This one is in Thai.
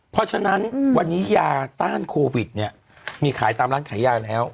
เพราะฉะนั้นวันนี้ยาต้านโควิดเนี่ยมีขายตามร้านขายยาแล้ว